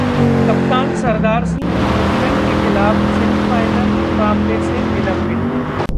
कप्तान सरदार सिंह न्यूजीलैंड के खिलाफ सेमीफाइनल मुकाबले से निलंबित